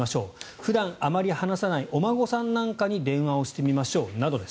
普段あまり話さないお孫さんなんかに電話をしてみましょうなどです。